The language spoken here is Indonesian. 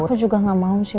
aku juga gak mau sih